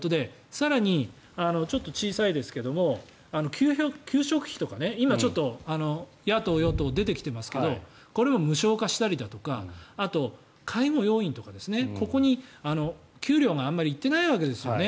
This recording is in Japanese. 更に、ちょっと小さいですけど給食費とか今、ちょっと野党、与党、出てきてますけどこれも無償化したりだとかあとは介護要員だとかここに給料が、あまり行っていないわけですよね。